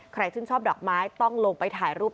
ชื่นชอบดอกไม้ต้องลงไปถ่ายรูป